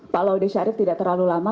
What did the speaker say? pak laude syarif tidak terlalu lama